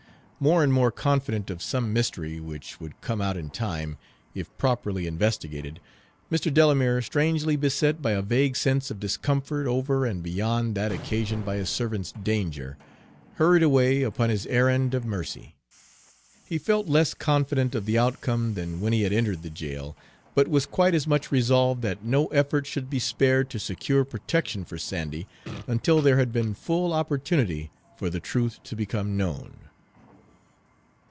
More and more confident of some mystery, which would come out in time, if properly investigated, Mr. Delamere, strangely beset by a vague sense of discomfort over and beyond that occasioned by his servant's danger, hurried away upon his errand of mercy. He felt less confident of the outcome than when he had entered the jail, but was quite as much resolved that no effort should be spared to secure protection for Sandy until there had been full opportunity for the truth to become known.